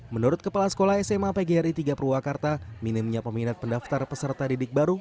menurut kepala sekolah sma pgri tiga purwakarta minimnya peminat pendaftar peserta didik baru